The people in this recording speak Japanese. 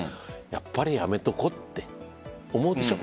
やっぱりやめておこうって思うでしょ？